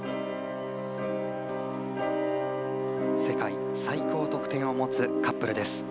世界最高得点を持つカップル。